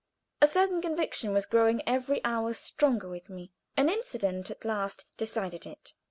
A certain conviction was growing every hour stronger with me. An incident at last decided it.